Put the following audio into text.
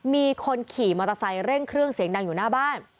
มีคนขี่มอเตอร์ไซค์เร่งเครื่องเสียงดังอยู่หน้าบ้าน